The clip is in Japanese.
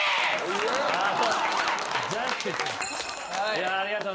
いやありがとね。